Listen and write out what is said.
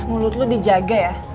mulut lo dijaga ya